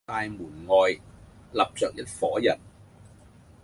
大門外立着一夥人，